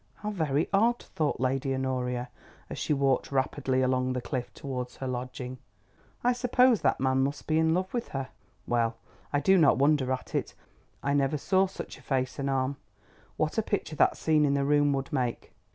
"How very odd," thought Lady Honoria as she walked rapidly along the cliff towards her lodging. "I suppose that man must be in love with her. Well, I do not wonder at it. I never saw such a face and arm. What a picture that scene in the room would make!